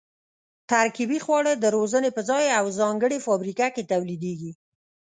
ترکیبي خواړه د روزنې په ځای او ځانګړې فابریکه کې تولیدېږي.